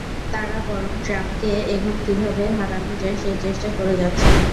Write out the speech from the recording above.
তারা বরং ট্রাম্পকে এখন কীভাবে হারানো যায়, সেই চেষ্টাই করে যাচ্ছেন।